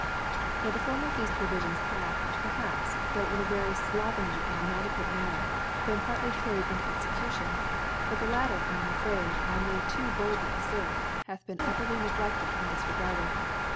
* Now the former of thefe Provifions hath, perhaps, though in a very (lovenly and in, adequate Manner, been partly carried into Execution ; but the latter, I am afraid I may too boldly aflcrt, hath been utterly ne glefted and difregarded.